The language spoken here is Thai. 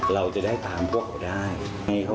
เราจะได้ตามพวกเขาได้